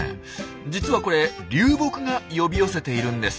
実はこれ流木が呼び寄せているんです。